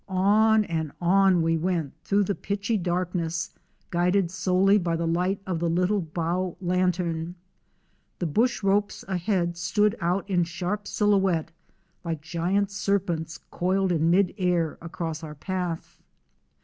On and on we went through the pitchy darkness, guided solely by the light of the little bow lantern. The bush ropes ahead stood out in sharp silhouette like giant serpents coiled in mid air across our path.